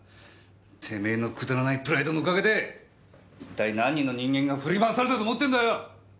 てめえのくだらないプライドのおかげで一体何人の人間が振り回されたと思ってんだよ！